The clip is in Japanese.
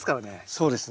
そうですね。